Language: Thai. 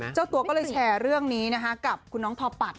เจ้าตัวก็เลยแชร์เรื่องนี้กับคุณน้องทอปัด